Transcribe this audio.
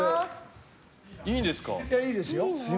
いいですよ。